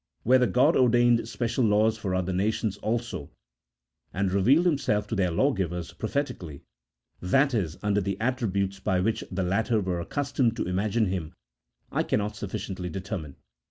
Whether God ordained special laws for other nations also, and revealed Himself to their lawgivers prophetically, that is, under the attributes by which the latter were accustomed to imagine Him, I cannot sufficiently determine.